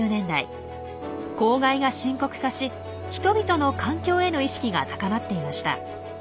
公害が深刻化し人々の環境への意識が高まっていました。